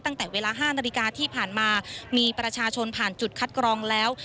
ตั้งแต่เวลา๕นาฬิกาที่ผ่านมามีประชาชนผ่านจุดคัดกรองแล้ว